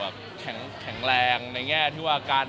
แข็งแรงในแง่ที่ว่าอาการ